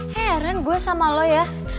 heran gue sama lo ya